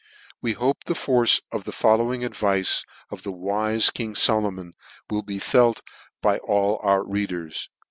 We hope the force of the following advice of the wife king Solomon will be felt by all our readers.